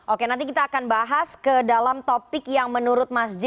oke nanti kita akan bahas ke dalam topik yang menurut mas j